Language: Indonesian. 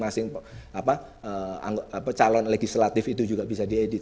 masing calon legislatif itu juga bisa diedit